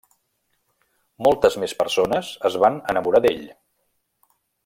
Moltes més persones es van enamorar d'ell.